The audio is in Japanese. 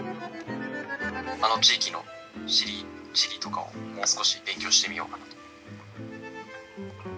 「あの地域の地理とかをもう少し勉強してみようかなと」。